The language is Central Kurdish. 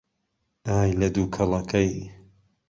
ئای لە دووكەڵەكەی